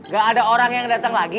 gak ada orang yang datang lagi